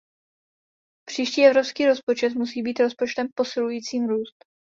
Příští evropský rozpočet musí být rozpočtem posilujícím růst.